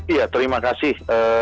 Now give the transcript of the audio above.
iya terima kasih